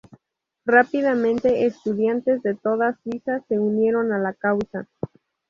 Rápidamente, estudiantes de toda Suiza se unieron a la causa.